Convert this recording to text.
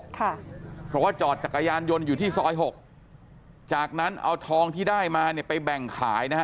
ค่ะเพราะว่าจอดจักรยานยนต์อยู่ที่ซอยหกจากนั้นเอาทองที่ได้มาเนี่ยไปแบ่งขายนะฮะ